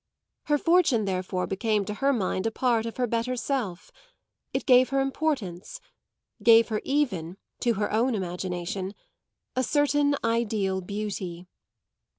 Her fortune therefore became to her mind a part of her better self; it gave her importance, gave her even, to her own imagination, a certain ideal beauty.